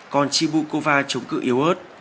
còn chibukova chống cự yếu ớt